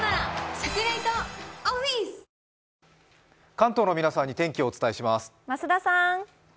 関東の皆さんに天気をお伝えします。